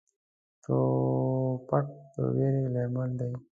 توپک د ویرو لامل دی.